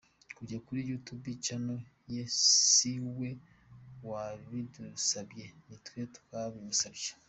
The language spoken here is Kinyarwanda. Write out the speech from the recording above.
Kujya kuri YouTube Channel ye si we wabidusabye ni twe twabimusabye.